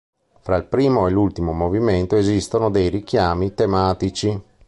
Fra il primo e l'ultimo movimento esistono dei richiami tematici.